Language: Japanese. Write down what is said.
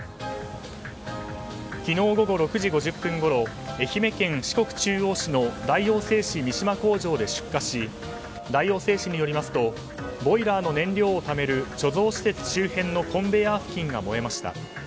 昨日午後６時５０分ごろ愛媛県四国中央市の大王製紙三島工場で出火し大王製紙によりますとボイラーの燃料をためる貯蔵施設周辺のコンベヤー付近が燃えました。